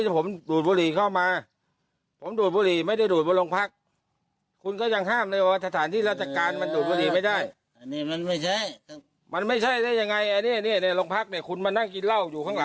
ไปดูคลิปต้นเรื่องกันก่อนนะคะ